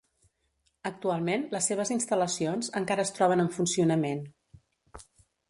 Actualment les seves instal·lacions encara es troben en funcionament.